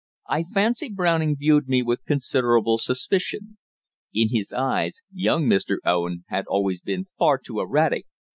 I fancy Browning viewed me with considerable suspicion. In his eyes, "young Mr. Owen" had always been far too erratic.